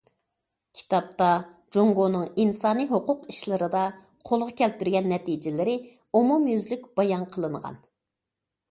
كىتابتا جۇڭگونىڭ ئىنسانىي ھوقۇق ئىشلىرىدا قولغا كەلتۈرگەن نەتىجىلىرى ئومۇميۈزلۈك بايان قىلىنغان.